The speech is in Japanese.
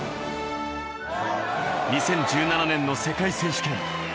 ２０１７年の世界選手権。